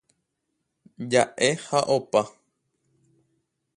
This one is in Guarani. Jaʼe ha opa.